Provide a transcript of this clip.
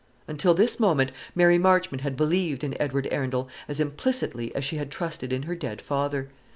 Until this moment, Mary Marchmont had believed in Edward Arundel as implicitly as she had trusted in her dead father.